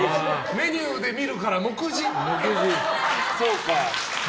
メニューで見るからもくじ。